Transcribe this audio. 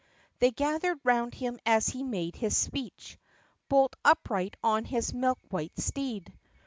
They gathered round him as he made his speech Bolt upright on his milk white steed.